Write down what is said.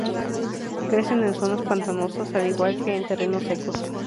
Crecen en zonas pantanosas al igual que en terrenos secos.